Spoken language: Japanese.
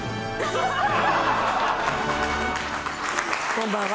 こんばんは。